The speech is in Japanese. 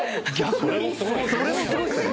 それもすごいっすね。